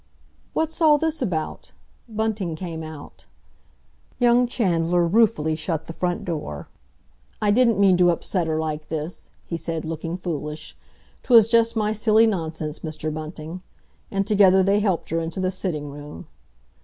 "What's all this about?" Bunting came out Young Chandler ruefully shut the front door. "I didn't mean to upset her like this," he said, looking foolish; "'twas just my silly nonsense, Mr. Bunting." And together they helped her into the sitting room.